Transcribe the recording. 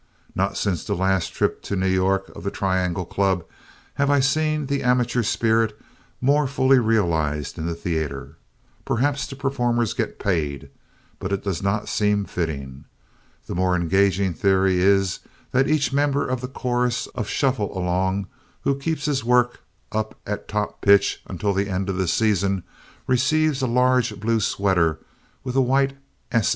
Not since the last trip to New York of the Triangle Club have I seen the amateur spirit more fully realized in the theater. Perhaps the performers get paid, but it does not seem fitting. The more engaging theory is that each member of the chorus of Shuffle Along who keeps his work up at top pitch until the end of the season receives a large blue sweater with a white "S.